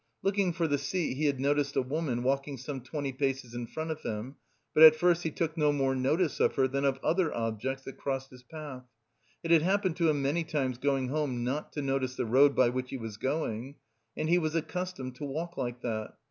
Looking for the seat, he had noticed a woman walking some twenty paces in front of him, but at first he took no more notice of her than of other objects that crossed his path. It had happened to him many times going home not to notice the road by which he was going, and he was accustomed to walk like that.